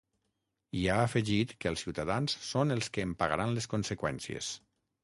I ha afegit que els ciutadans són els que en pagaran les conseqüències.